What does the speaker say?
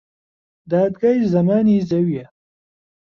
دادگای زەمانی زەویە